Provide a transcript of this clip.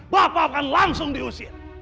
bapak akan langsung diusir